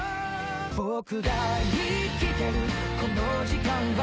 「僕が生きてるこの時間は」